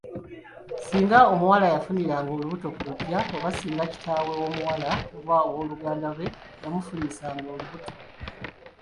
Singa omuwala yafuniranga olubuto ku luggya oba singa kitaawe w’omuwala oba ow’oluganda lwe yamufunyisanga olubuto.